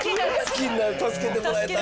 好きになる助けてもらえた！